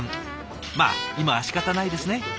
まあ今はしかたないですね。